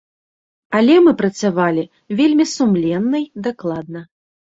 Але мы працавалі вельмі сумленна й дакладна.